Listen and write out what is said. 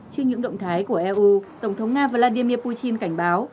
trên những động thái của eu tổng thống nga vladimir putin cảnh báo